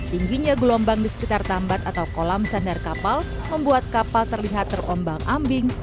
tingginya gelombang di sekitar tambat atau kolam sandar kapal membuat kapal terlihat terombang ambing